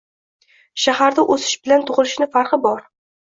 Shaxarda o‘sish bilan tug‘ilishni farqi bor.